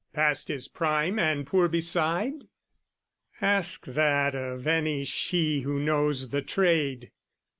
Past his prime and poor beside? Ask that of any she who knows the trade.